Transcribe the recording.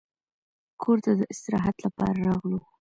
کور ته د استراحت لپاره راغلو.